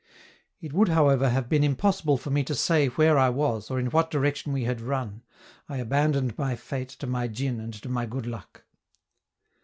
It would, however, have been impossible for me to say where I was, or in what direction we had run; I abandoned my fate to my djin and to my good luck.